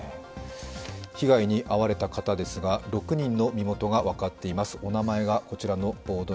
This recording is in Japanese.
被害に遭われた方ですが、６人の身元が分かっています。